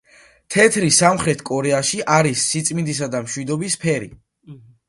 თეთრი სამხრეთ კორეაში არის სიწმინდისა და მშვიდობის ფერი.